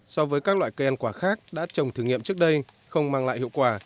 so với các loại cây ăn quả khác đã trồng thử nghiệm trước đây không mang lại hiệu quả